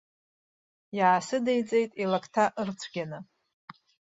Иаасыдиҵеит илакҭа ырцәгьаны.